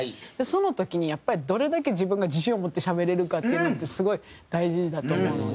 その時にやっぱりどれだけ自分が自信を持ってしゃべれるかっていうのってすごい大事だと思うので。